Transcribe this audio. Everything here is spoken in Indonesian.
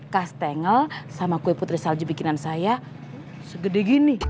kastengel sama kue putri salju bikinan saya segede gini